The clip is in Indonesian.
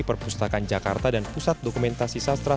perpustakaan jakarta dan pusat dokumentasi sastra